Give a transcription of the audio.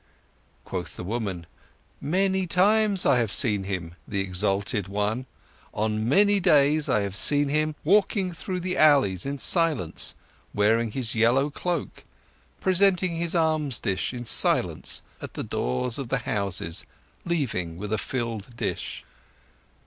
Quoth the woman: "Many times I have seen him, the exalted one. On many days, I have seen him, walking through the alleys in silence, wearing his yellow cloak, presenting his alms dish in silence at the doors of the houses, leaving with a filled dish."